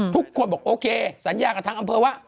ทุกคนบอกโอเคสัญญากับทางอำเภอว่า